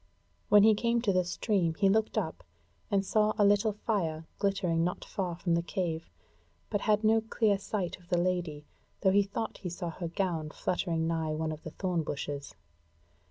When he came to the stream he looked up and saw a little fire glittering not far from the cave, but had no clear sight of the Lady, though he thought he saw her gown fluttering nigh one of the thorn bushes.